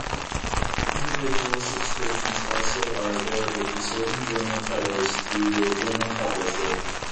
Individual subscriptions also are available to certain journal titles through the journal publisher.